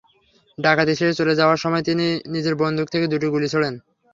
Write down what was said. ডাকাতি শেষে চলে যাওয়ার সময় তিনি নিজের বন্দুক থেকে দুটি গুলি ছোড়েন।